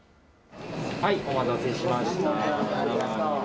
お待たせしました。